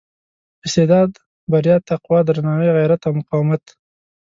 استعداد بریا تقوا درناوي غیرت او مقاومت.